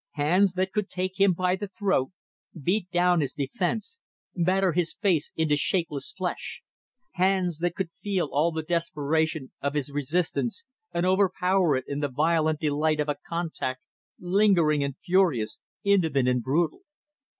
Hands that could take him by the throat, beat down his defence, batter his face into shapeless flesh; hands that could feel all the desperation of his resistance and overpower it in the violent delight of a contact lingering and furious, intimate and brutal.